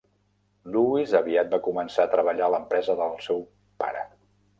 Lewis aviat va començar a treballar a l'empresa del seu pare.